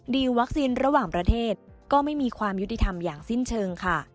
วัคซีนระหว่างประเทศก็ไม่มีความยุติธรรมอย่างสิ้นเชิงค่ะ